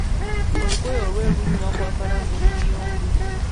Olugoye olweru lunyuma kwambala ng'oli muyonjo.